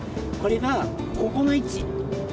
これがここの位置。